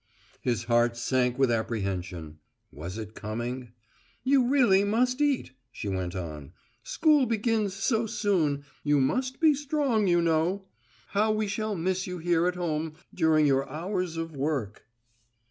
His heart sank with apprehension. Was it coming? "You really must eat," she went on. "School begins so soon, you must be strong, you know. How we shall miss you here at home during your hours of work!"